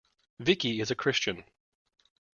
Vicky is a Christian.